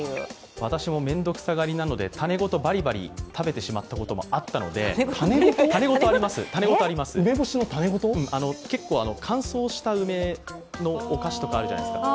私も面倒くさがりなので種ごとバリバリ食べてしまったこともあるので結構、乾燥した梅のお菓子とかあるじゃないですか。